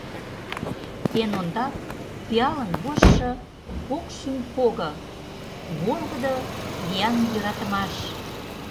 Эн ондак, пиалын вожшо — кок шӱм пого: Волгыдо, виян йӧратымаш!